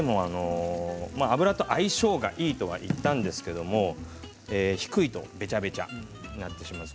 油が相性がいいとは言ったんですけども低いとべちゃべちゃになってしまいます。